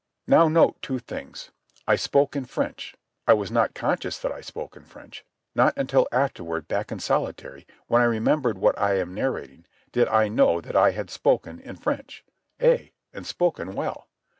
Now note two things. I spoke in French; I was not conscious that I spoke in French. Not until afterward, back in solitary, when I remembered what I am narrating, did I know that I had spoken in French—ay, and spoken well.